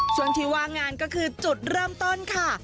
ช่วงที่ว่างงานก็คือจุดเริ่มต้นค่ะ